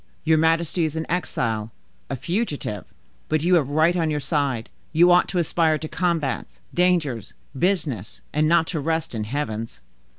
Your majesty is an exile, a fugitive, but you have right on your side; you ought to aspire to combats, dangers, business, and not to rest in heavens."